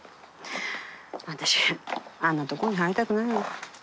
私あんなとこに入りたくないわ。